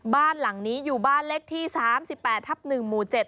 บ้านหลังนี้อยู่บ้านเล็กที่สามสิบแปดทับหนึ่งหมู่เจ็ด